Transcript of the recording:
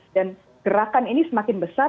dan gerakan ini semakin besar